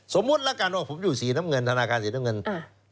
สมมุติแล้วกันว่าผมอยู่สีน้ำเงินธนาคารสีน้ำเงิน